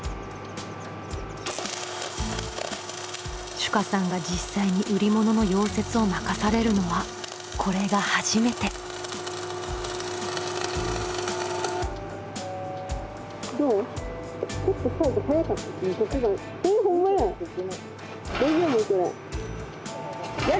珠夏さんが実際に売り物の溶接を任されるのはこれが初めて。いきます。